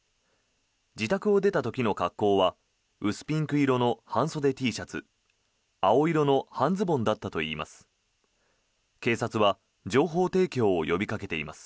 自宅を出た時の格好は薄ピンク色の半袖Ｔシャツ青色の半ズボンだったといいます。